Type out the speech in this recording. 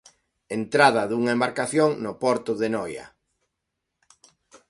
Entrada dunha embarcación no porto de Noia.